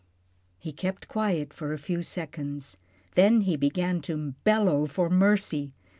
He kept quiet for a few seconds, then he began to bellow for mercy.